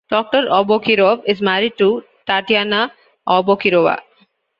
Toktar Aubakirov is married to Tatyana Aubakirova.